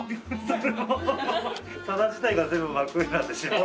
それも皿自体が全部真っ黒になってしまうので。